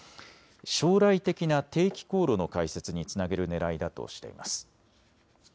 将来的な定期航路の開設につなげるねらいだとしています。